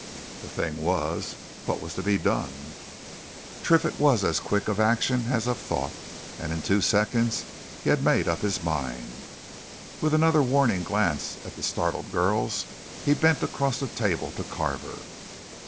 The thing was what was to be done? Triffitt was as quick of action as of thought in two seconds he had made up his mind. With another warning glance at the startled girls, he bent across the table to Carver.